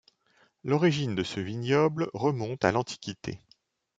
L'origine de ce vignoble remonte à l'Antiquité.